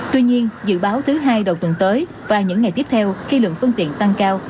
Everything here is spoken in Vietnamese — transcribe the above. tuy nhiên dự báo thứ hai đầu tuần tới và những ngày tiếp theo khi lượng phương tiện tăng cao